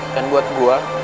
dan buat gue